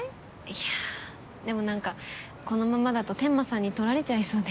いやでも何かこのままだと天間さんに取られちゃいそうで。